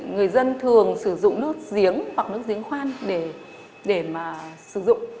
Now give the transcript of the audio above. người dân thường sử dụng nước giếng hoặc nước giếng khoan để mà sử dụng